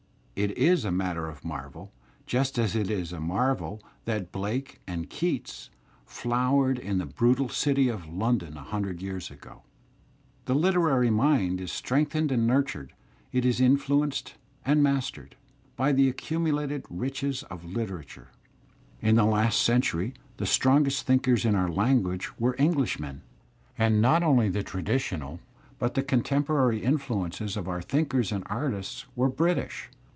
It is a matter of marvel, just as it is a marvel that Blake and Keats flowered in the brutal dty of London a himdred years ago. The literary mind is strengthened and nurtured, is in fluenced and mastered, by the accumulated riches of litera turel In the last century the strongest thinkers in our language were Englishmen, and not only the traditional but the contemporary influences on our thinkers and artists were British.